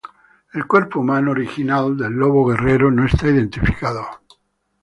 El cuerpo humano original de Lobo Guerrero no está identificado.